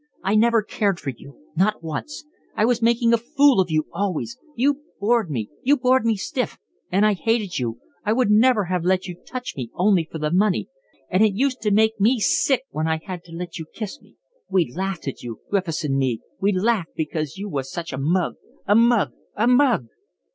"I never cared for you, not once, I was making a fool of you always, you bored me, you bored me stiff, and I hated you, I would never have let you touch me only for the money, and it used to make me sick when I had to let you kiss me. We laughed at you, Griffiths and me, we laughed because you was such a mug. A mug! A mug!"